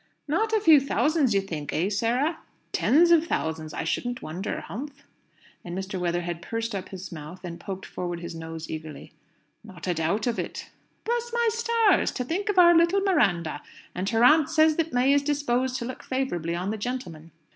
"Not a few thousands you think, eh, Sarah? Tens of thousands I shouldn't wonder, humph?" And Mr. Weatherhead pursed up his mouth, and poked forward his nose eagerly. "Not a doubt of it." "Bless my stars! To think of our little Miranda! and her aunt says that May is disposed to look favourably on the gentleman."